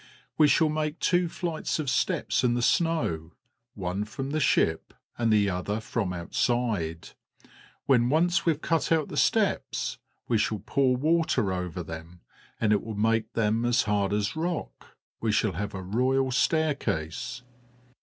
We shall make two flights of steps in the snow, one from the ship and the other from outside; when once we've cut out the steps we shall pour water over them, and it will make them as hard as rock. We shall have a royal staircase."